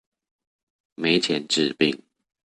沒錢治病